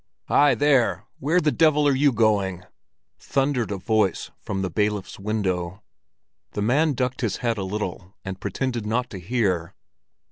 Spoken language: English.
"Hi, there! Where the devil are you going?" thundered a voice from the bailiff's window. The man ducked his head a little and pretended not to hear.